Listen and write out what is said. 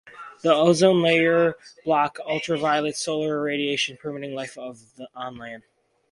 The ozone layer blocks ultraviolet solar radiation, permitting life on land.